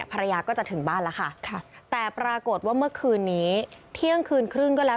ภรรยาก็จะถึงบ้านแล้วค่ะแต่ปรากฏว่าเมื่อคืนนี้เที่ยงคืนครึ่งก็แล้ว